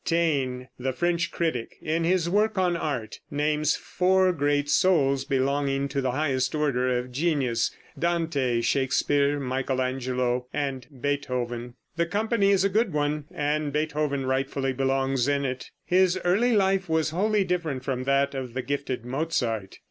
Taine, the French critic, in his work on art, names four great souls belonging to the highest order of genius Dante, Shakespeare, Michael Angelo and Beethoven. The company is a good one, and Beethoven rightfully belongs in it. His early life was wholly different from that of the gifted Mozart.